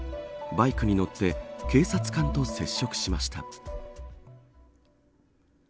バイクに乗って警察官と接触しました。